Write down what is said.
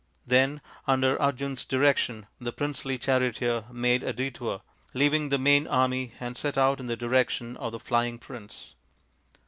Then, under Arjun's direction, the princely charioteer made a detour, leaving the main army, and set out in the direction of the flying prince.